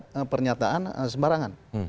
jangan membuat pernyataan sembarangan